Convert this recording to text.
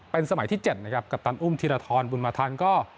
เป็นสมัยที่๗นะครับกัปตันอุ้มธีรทรบุญมาทันก็